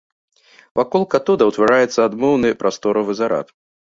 Вакол катода ўтвараецца адмоўны прасторавы зарад.